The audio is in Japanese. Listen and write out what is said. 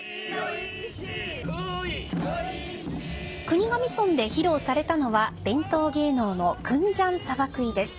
国頭村で披露されたのは伝統芸能の「国頭サバクイ」です。